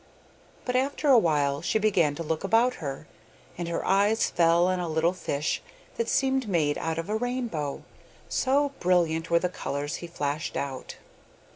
But after a while she began to look about her, and her eyes fell on a little fish that seemed made out of a rainbow, so brilliant were the colours he flashed out.